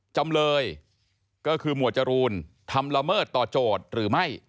จำเลยก็คือหมวดจรูนทำละเมิดต่อโจทย์หรือไม่